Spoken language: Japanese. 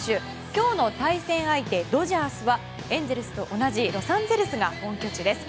今日の対戦相手、ドジャースはエンゼルスと同じロサンゼルスが本拠地です。